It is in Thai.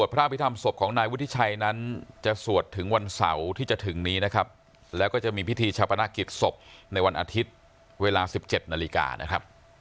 พิธีเฉพาะนักกิจศพในวันอาทิตย์เวลา๑๗นาฬิกานะครับ